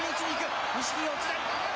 錦木、落ちない。